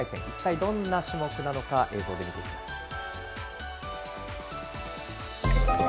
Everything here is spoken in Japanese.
一体どんな種目なのか映像で見ていきます。